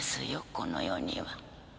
この世には。